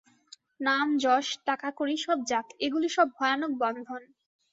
নামযশ টাকাকড়ি সব যাক্, এগুলি সব ভয়ানক বন্ধন।